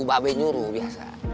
mbak be nyuruh biasa